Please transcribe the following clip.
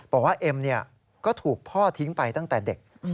เอ็มก็ถูกพ่อทิ้งไปตั้งแต่เด็ก